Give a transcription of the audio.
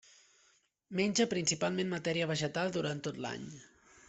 Menja principalment matèria vegetal durant tot l'any.